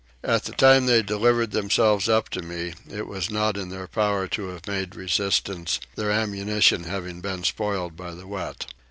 At the time they delivered themselves up to me it was not in their power to have made resistance, their ammunition having been spoiled by the wet.